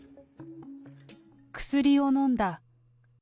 薬を飲んだ。